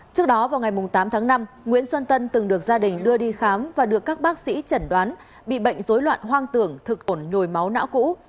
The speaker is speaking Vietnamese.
trước đó vào ngày tám tháng năm nguyễn xuân tân từng được gia đình đưa đi khám và được các bác sĩ chẩn đoán bị bệnh dối loạn hoang tưởng thực ổn nhồi máu não cũ